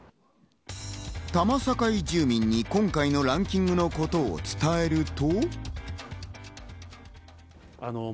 多摩境住民に今回のランキングのことを伝えると。